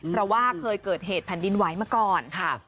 เพราะว่าเคยเกิดเหตุแผ่นดินไหวมาก่อนค่ะ